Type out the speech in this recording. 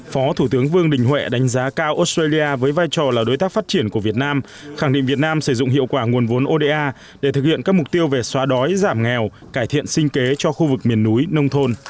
phó thủ tướng vương đình huệ đánh giá cao australia với vai trò là đối tác phát triển của việt nam khẳng định việt nam sử dụng hiệu quả nguồn vốn oda để thực hiện các mục tiêu về xóa đói giảm nghèo cải thiện sinh kế cho khu vực miền núi nông thôn